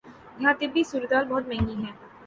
یہاں طبی سہولیات بہت مہنگی ہیں۔